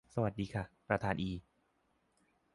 สวัสดีค่ะ ท่านประธานอี